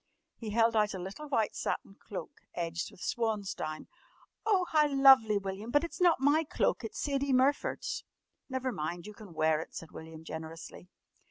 He held out a little white satin cloak edged with swansdown. "Oh, how lovely, William! But it's not my cloak! It's Sadie Murford's!" "Never mind! you can wear it," said William generously.